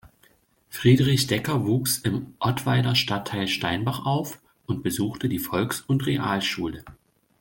Friedrich Decker wuchs im Ottweiler Stadtteil Steinbach auf und besuchte die Volks- und Realschule.